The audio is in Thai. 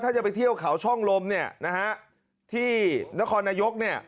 ถ้าจะไปเที่ยวเขาช่องลมที่นครนายก